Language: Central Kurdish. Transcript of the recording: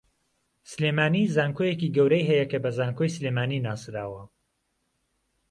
سلێمانی زانکۆیەکی گەورەی ھەیە کە بە زانکۆی سلێمانی ناسراوە